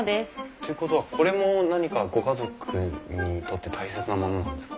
っていうことはこれも何かご家族にとって大切なものなんですか？